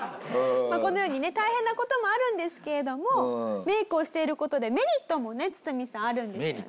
まあこのようにね大変な事もあるんですけれどもメイクをしている事でメリットもねツツミさんあるんですよね。